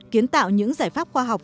kiến tạo những giải pháp khoa học